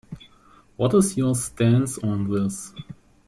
What is your stance on this?